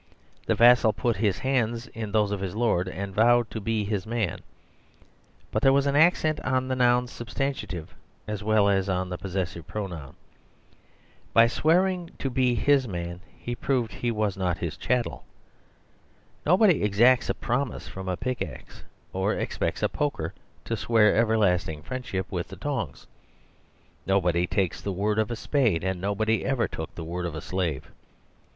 The vassal put his hands in those of his lord, and vowed to be his man; but there was an accent on the noun substantive as well as on the possessive pronoun. By swearing to be his man, he proved he was not his chattel. Nobody exacts a promise from a pickaxe, or expects a poker to swear everlasting friendship with the tongs. Nobody takes the word of a spade; and no body ever took the word of a slave.